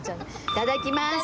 いただきます。